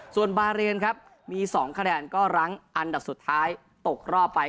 ส่วนบาเรนครับมี๒คะแนนก็รั้งอันดับสุดท้ายตกรอบไป